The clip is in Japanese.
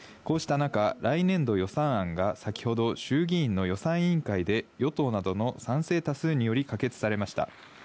こうした中、来年度予算案が先ほど、衆議院の予算委員会で、与党などの賛成多数により可決されました。